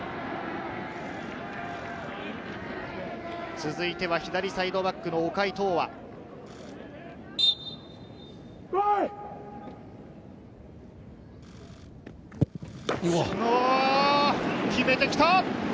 続いては左サイドバックの岡井陶歩。決めてきた！